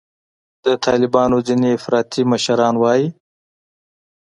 د طالبانو ځیني افراطي مشران وایي